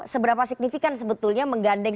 seberapa signifikan sebetulnya menggandeng